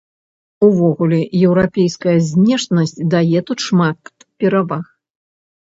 Увогуле, еўрапейская знешнасць дае тут шмат пераваг.